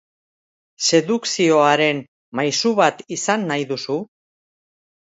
Sedukzioaren maisu bat izan nahi duzu?